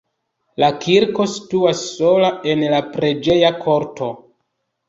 La kirko situas sola en la preĝeja korto.